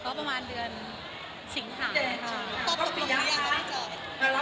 ก็ประมาณเดือนสิงหาคมนะคะ